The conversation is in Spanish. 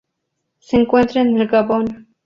Se encuentra en el Gabón.